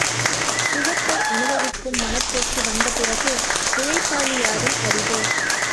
சுகத்தை அனுபவிக்கும் மனப்போக்கு வந்த பிறகு உழைப்பாளியாதல் அரிது.